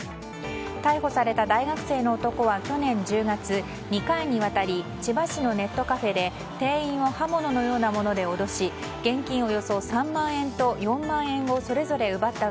逮捕された大学生の男は去年１０月２回にわたり千葉市のネットカフェで店員を刃物のようなもので脅し現金